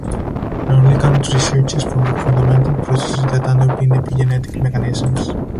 Narlikar researches the fundamental processes that underpin epigenetic mechanisms.